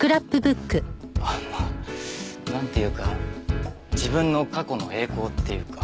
ああまあなんていうか自分の過去の栄光っていうか。